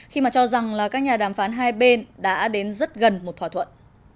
khi mà cho rằng là các nhà đàm phán hai bên đã đến rất gần một thỏa thuận